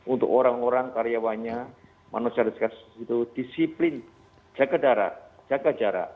untuk orang orang karyawannya manusia itu disiplin jaga jarak jaga jarak